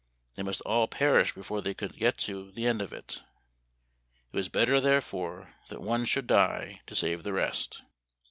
They must all perish before they could get to the end of it. It was better, therefore, that one should die to save the rest.'